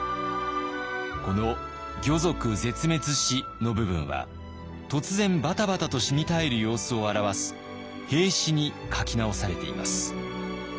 この「魚族絶滅し」の部分は突然バタバタと死に絶える様子を表す「斃死」に書き直されています。